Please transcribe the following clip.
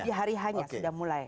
di hari hanya sudah mulai